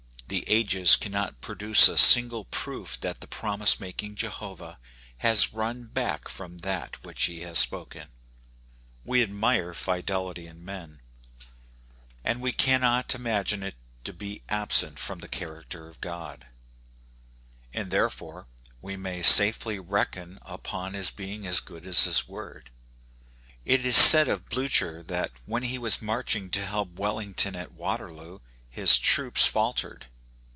The ages cannot produce a single proof that the prom ise making Jehovah has run back from that which he has spoken. The Promise of God a Reality. 47 We admire fidelity in men, and we cannot imagine it to be absent from the character of God, and therefore we may safely reckon upon his being as good as his word. It is said of Blucher, that when he was marching to help Wellington at Waterloo, his troops faltered.